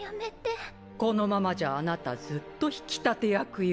このままじゃあなたずっと引き立て役よ。